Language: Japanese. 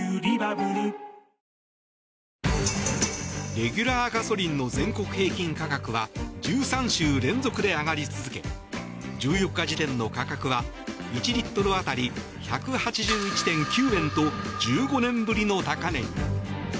レギュラーガソリンの全国平均価格は１３週連続で上がり続け１４日時点の価格は１リットル当たり１８１．９円と１５年ぶりの高値に。